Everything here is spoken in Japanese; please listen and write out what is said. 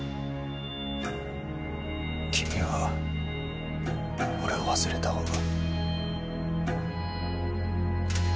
君は俺を忘れた方が。